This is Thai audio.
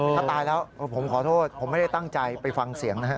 ถ้าตายแล้วผมขอโทษผมไม่ได้ตั้งใจไปฟังเสียงนะฮะ